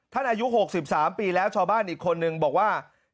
อายุ๖๓ปีแล้วชาวบ้านอีกคนนึงบอกว่า